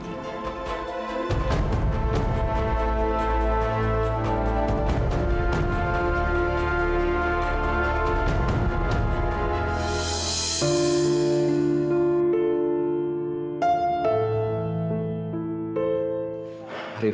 kita itu cuma masalah berpisah